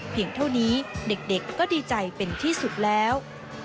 เท่านี้เด็กก็ดีใจเป็นที่สุดแล้ว